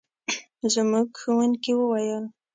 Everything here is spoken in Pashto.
زموږ ښوونکي وویل.